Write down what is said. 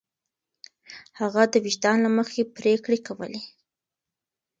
هغه د وجدان له مخې پرېکړې کولې.